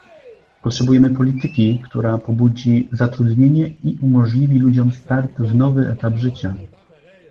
Potrzebujemy polityki, która pobudzi zatrudnienie i umożliwi ludziom start w nowy etap życia